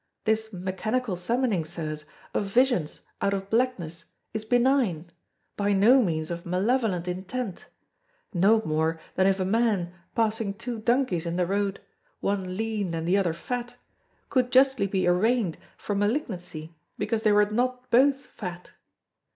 This mechanical summoning, Sirs, of visions out of blackness is benign, by no means of malevolent intent; no more than if a man, passing two donkeys in the road, one lean and the other fat, could justly be arraigned for malignancy because they were not both fat.